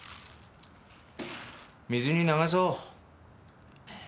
水に流そう。